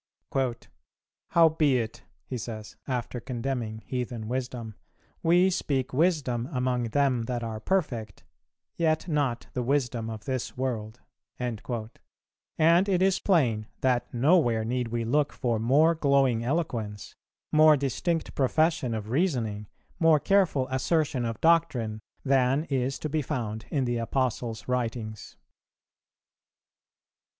"Howbeit," he says, after condemning heathen wisdom, "we speak wisdom among them that are perfect, yet not the wisdom of this world;" and it is plain that nowhere need we look for more glowing eloquence, more distinct profession of reasoning, more careful assertion of doctrine, than is to be found in the Apostle's writings.